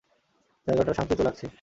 জায়গাটা শান্তই তো লাগছে!